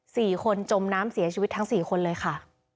สี่คนจมน้ำเสียชีวิตทั้งสี่คนเลยค่ะ